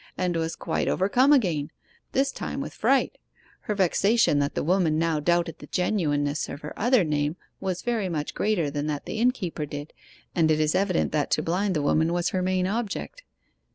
and was quite overcome again this time with fright. Her vexation that the woman now doubted the genuineness of her other name was very much greater than that the innkeeper did, and it is evident that to blind the woman was her main object.